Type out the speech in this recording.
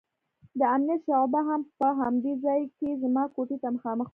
د امنيت شعبه هم په همدې ځاى کښې زما کوټې ته مخامخ وه.